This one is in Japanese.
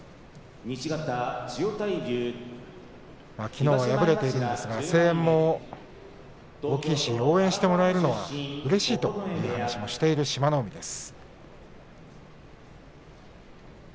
きのうは敗れているんですが声援も大きいし応援してもらえるのはうれしいという話をしていた志摩ノ海です。